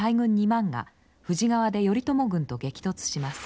２万が富士川で頼朝軍と激突します。